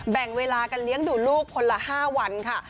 แบ่งเวลากันเลี้ยงดูลูกคนละ๕วันค่ะ